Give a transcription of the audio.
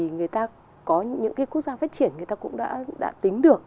người ta có những quốc gia phát triển người ta cũng đã tính được